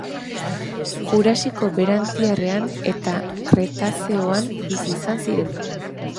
Jurasiko berantiarrean eta Kretazeoan bizi izan ziren.